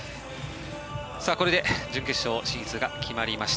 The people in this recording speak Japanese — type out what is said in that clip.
これで準決勝進出が決まりました。